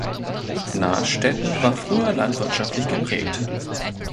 Nastätten war früher landwirtschaftlich geprägt.